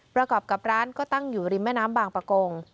ประกอบกับร้านก็ตั้งอยู่ริมแม่น้ำบางประกง